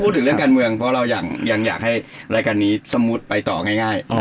พูดถึงเรื่องการเมืองเพราะเรายังอยากให้รายการนี้สมมุติไปต่อง่าย